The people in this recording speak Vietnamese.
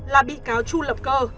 là bị cáo chu lập cơ